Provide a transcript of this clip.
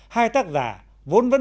hai tác giả vốn vẫn